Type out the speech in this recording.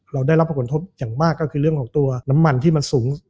เราได้รับผลกระทบอย่างมากก็คือเรื่องของตัวน้ำมันที่มันสูง